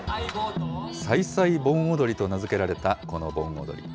さいさい盆踊りと名付けられた、この盆踊り。